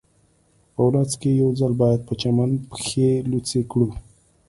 په ورځ کې یو ځل باید په چمن پښې لوڅې کړو